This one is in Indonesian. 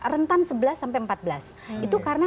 rentan sebelas sampai empat belas itu karena